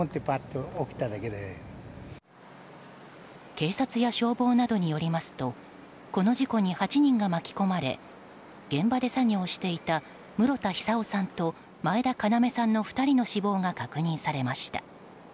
警察や消防などによりますとこの事故に８人が巻き込まれ現場で作業していた室田久生さんと前田要さんの２人の死亡が確認されました。